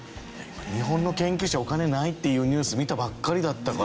日本の研究者お金ないっていうニュース見たばっかりだったから。